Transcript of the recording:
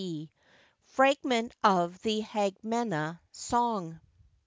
FRAGMENT OF THE HAGMENA SONG.